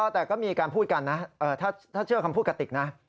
แต่ก็มีการพูดกันนะถ้าเชื่อคำพูดกระติกนะ